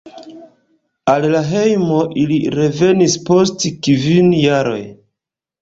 Al la hejmo ili revenis post kvin jaroj.